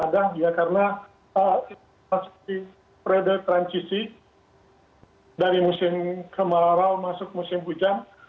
karena masih ada proses transisi dari musim kemarau masuk musim hujan